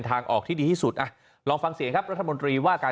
ทางออกที่ดีที่สุดอ่ะลองฟังเสียงครับรัฐมนตรีว่าการ